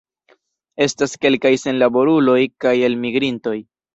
Estas kelkaj senlaboruloj kaj elmigrintoj.